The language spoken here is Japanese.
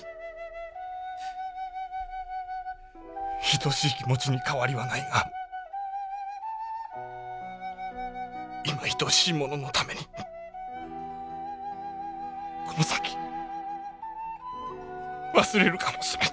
愛しい気持ちに変わりはないが今愛しい者のためにこの先忘れるかもしれぬ。